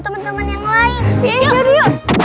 temen temen yang lain